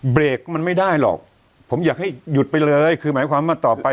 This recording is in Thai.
เบรกมันไม่ได้หรอกผมอยากให้หยุดไปเลยคือหมายความว่าต่อไป